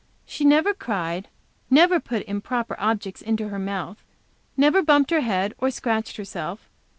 She never cried, never put improper objects into her mouth, never bumped her head, or scratched herself.